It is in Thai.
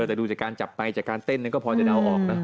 แต่ดูจากการจับไปจากการเต้นก็พอจะเดาออกนะ